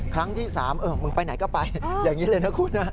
ครั้งที่๓มึงไปไหนก็ไปอย่างนี้เลยนะคุณนะ